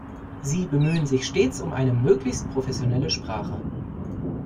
Sie bemühen sich stets um eine möglichst professionelle Sprache.